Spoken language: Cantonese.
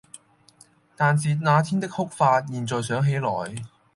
但是那天的哭法，現在想起來，